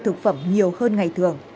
thực phẩm nhiều hơn ngày thường